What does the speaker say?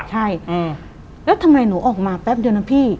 ใช่แล้วทำไมหนูออกมาแป๊บเดียวนะพี่